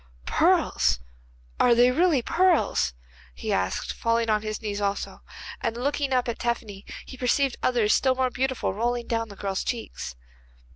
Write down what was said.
'Pearls! Are they really pearls?' he asked, falling on his knees also, and looking up at Tephany he perceived others still more beautiful rolling down the girl's cheeks.